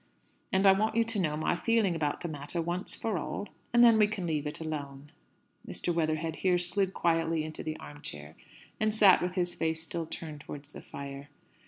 And I want you to know my feeling about the matter once for all, and then we can leave it alone." Mr. Weatherhead here slid quietly into the armchair, and sat with his face still turned towards the fire.